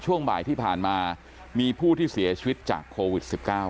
ช่วงบ่ายที่ผ่านมามีผู้ที่เสียชีวิตจากโควิด๑๙